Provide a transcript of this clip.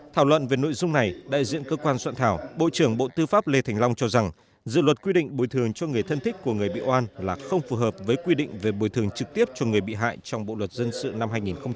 thảo luận về nội dung này đại diện cơ quan soạn thảo bộ trưởng bộ tư pháp lê thành long cho rằng dự luật quy định bồi thường cho người thân thích của người bị oan là không phù hợp với quy định về bồi thường trực tiếp cho người bị hại trong bộ luật dân sự năm hai nghìn một mươi năm